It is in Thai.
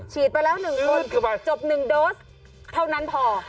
ไปแล้ว๑โดสจบ๑โดสเท่านั้นพอ